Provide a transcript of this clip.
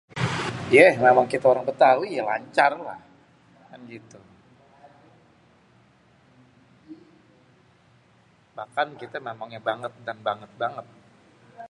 Yeh namanye kite orang Bétawi, ya lancar lah, kan gitu. Bahkan kita namanya banget dan banget banget.